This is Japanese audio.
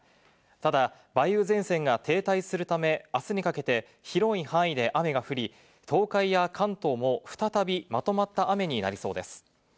ただ、梅雨前線が停滞するため、あすにかけて広い範囲で雨が降り、東海や関東も再びまとまった雨になりそうです。